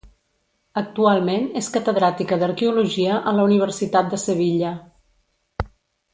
Actualment és catedràtica d'arqueologia a la Universitat de Sevilla.